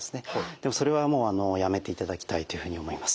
でもそれはもうやめていただきたいというふうに思います。